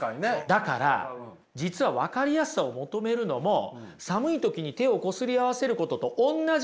だから実は分かりやすさを求めるのも寒い時に手をこすり合わせることとおんなじなんですよ。